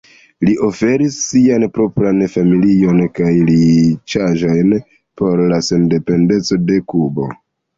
Li oferis sian propran familion kaj riĉaĵojn por la sendependeco de Kubo.